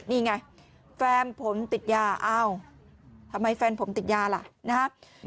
นี่ไงแฟนผมติดยาอ้าวทำไมแฟนผมติดยาล่ะนะครับ